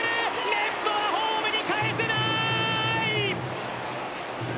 レフトはホームに返せない！！